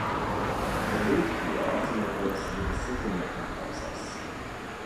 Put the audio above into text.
The loop here often refers to the decision-making process.